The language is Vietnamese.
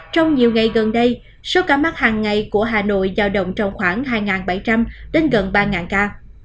trong nhiều ngày gần đây số ca mắc hàng ngày của hà nội giao động trong khoảng hai bảy trăm linh đến gần ba ca